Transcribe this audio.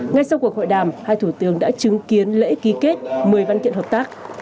ngay sau cuộc hội đàm hai thủ tướng đã chứng kiến lễ ký kết một mươi văn kiện hợp tác